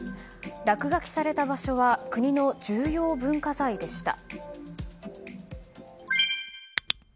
落書きされた場所は国の重要文化財でした。